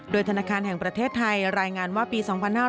ธนาคารแห่งประเทศไทยรายงานว่าปี๒๕๕๙